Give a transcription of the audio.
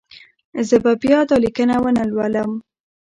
زه به بیا دا لیکنه ونه لولم.